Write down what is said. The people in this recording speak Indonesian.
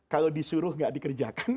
kalau disuruh tidak dikerjakan